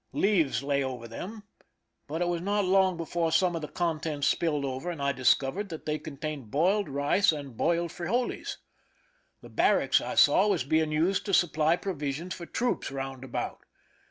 Leaves lay over them, but it was not long before some of the contents spilled over, and I discovered that they contained boiled rice and boiled frijoles. The barracks, I saw, was being used to supply pro visions for troops round about.